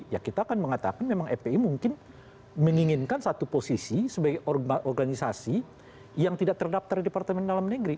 ya kita akan mengatakan memang fpi mungkin menginginkan satu posisi sebagai organisasi yang tidak terdaftar di departemen dalam negeri